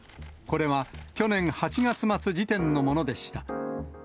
これは去年８月末時点のものでした。